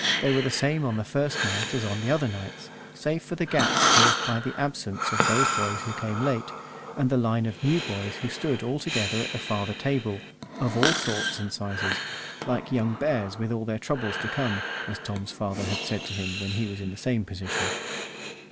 They were the same on the first night as on the other nights, save for the gaps caused by the absence of those boys who came late, and the line of new boys who stood all together at the farther table of all sorts and sizes, like young bears with all their troubles to come, as Tom's father had said to him when he was in the same position.